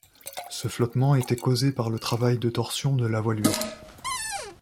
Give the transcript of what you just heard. Ce flottement était causé par le travail de torsion de la voilure.